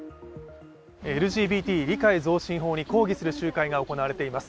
ＬＧＢＴ理解増進法に抗議する集会が開かれています。